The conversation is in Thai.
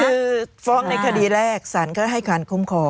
คือฟ้องในคดีแรกสารก็ให้การคุ้มครอง